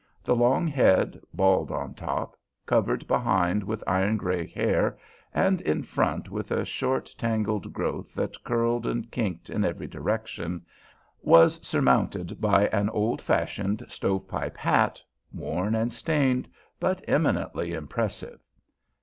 The long head, bald on top, covered behind with iron gray hair, and in front with a short tangled growth that curled and kinked in every direction, was surmounted by an old fashioned stove pipe hat, worn and stained, but eminently impressive.